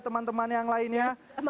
teman teman yang lainnya